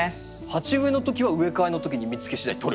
「鉢植えの時は植え替えの時に見つけしだい取る」ですよね。